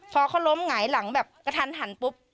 พอเขาล้มหงายหลังแบบกระทันหันปุ๊บ